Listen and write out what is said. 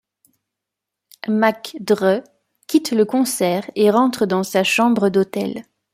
Mac Dre quitte le concert et rentre dans sa chambre d'hôtel.